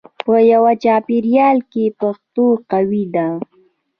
په یوه چاپېریال کې پښتو قوي ده.